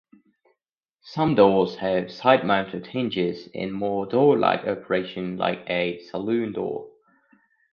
Some doors have side-mounted hinges and more door-like operation-like a saloon door.